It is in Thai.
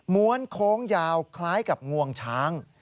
้วนโค้งยาวคล้ายกับงวงช้าง